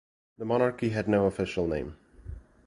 The monarchy had no official name.